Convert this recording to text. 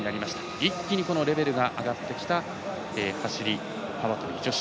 一気にレベルの上がってきた走り幅跳び女子。